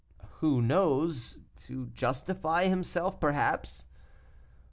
"Who knows? To justify himself perhaps."